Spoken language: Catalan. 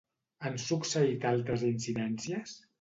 Han succeït altres incidències?